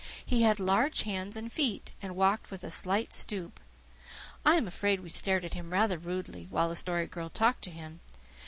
He had large hands and feet, and walked with a slight stoop. I am afraid we stared at him rather rudely while the Story Girl talked to him.